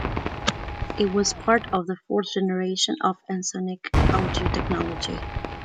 It was part of the fourth generation of Ensoniq audio technology.